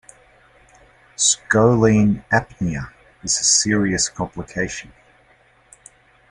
"Scoline apnea" is a serious complication.